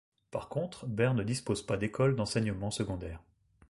Par contre, Ber ne dispose pas d'écoles d'enseignement secondaire.